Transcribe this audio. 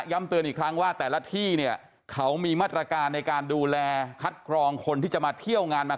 เตือนอีกครั้งว่าแต่ละที่เนี่ยเขามีมาตรการในการดูแลคัดกรองคนที่จะมาเที่ยวงานมา